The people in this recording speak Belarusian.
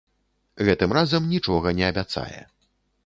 Гэтым разам нічога не абяцае.